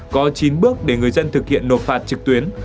có chín bước để người dân thực hiện nộp phạt trực tuyến